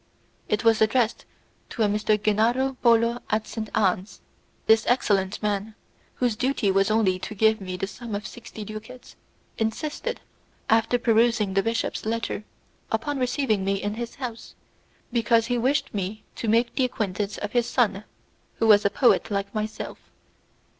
It was addressed to a M. Gennaro Polo at St. Anne's. This excellent man, whose duty was only to give me the sum of sixty ducats, insisted, after perusing the bishop's letter, upon receiving me in his house, because he wished me to make the acquaintance of his son, who was a poet like myself.